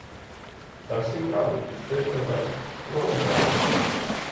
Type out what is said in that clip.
Та всі крадуть, що й казать, кругом крадуть.